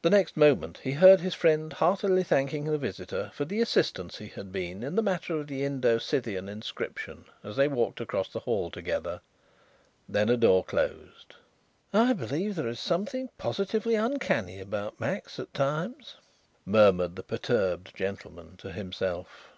The next moment he heard his friend heartily thanking the visitor for the assistance he had been in the matter of the Indo Scythian inscription, as they walked across the hall together. Then a door closed. "I believe that there is something positively uncanny about Max at times," murmured the perturbed gentleman to himself.